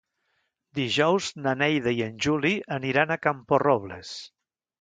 Dijous na Neida i en Juli aniran a Camporrobles.